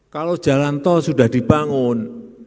kalau jalan tol sudah dibangun